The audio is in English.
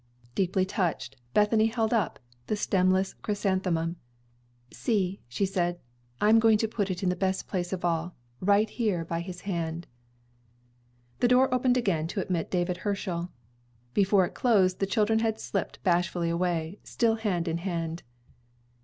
Deeply touched, Bethany held up the stemless chrysanthemum. "See," she said, "I'm going to put it in the best place of all, right here by his hand." The door opened again to admit David Herschel. Before it closed the children had slipped bashfully away, still hand in hand.